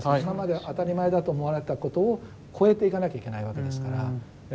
今まで当たり前だと思われたことを超えていかなきゃいけないわけですから。